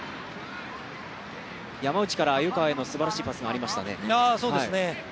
山内から鮎川へのすばらしいパスがありましたね。